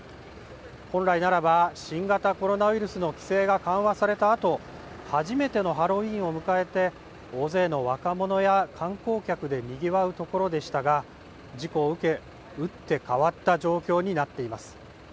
本来ならば新型コロナウイルスの規制が緩和されたあと初めてのハロウィーンを迎えて大勢の若者や観光客でにぎわうところでしたが事故を受け打って変わった状況になっています。